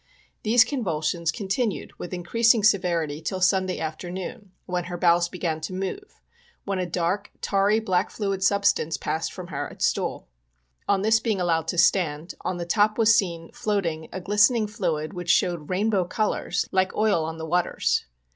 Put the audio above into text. These convulsions continued with increasing severity 56 POISONING BY CANNED GOODS. till Sunday afternoon, when her bowels began to move — when a dark, tarry black fluid substance passed from her at stool. On this being allowed to stand, on the top was seen, floating, a glistening fluid, which showed rainbow colors, like oil on the waters.